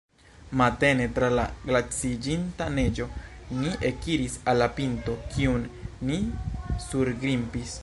Matene tra la glaciiĝinta neĝo ni ekiris al la pinto, kiun ni surgrimpis.